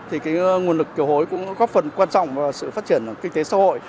thì cái nguồn lực kiều hối cũng góp phần quan trọng vào sự phát triển kinh tế xã hội